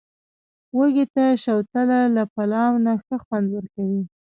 وږي ته، شوتله له پلاو نه ښه خوند ورکوي.